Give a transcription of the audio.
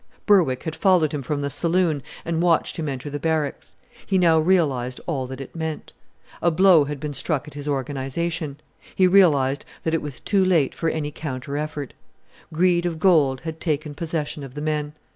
Berwick had followed him from the saloon and watched him enter the Barracks. He now realized all that it meant. A blow had been struck at his organization. He realized that it was too late for any counter effort. Greed of gold had taken possession of the men.